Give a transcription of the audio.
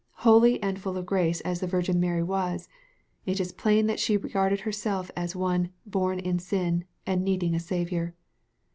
Holy and full of grace as the Virgin Mary was, it is plain that she regarded herself as one <f bom in sin," and needing a Saviour.